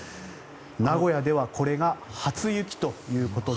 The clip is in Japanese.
名古屋ではこれが初雪ということで。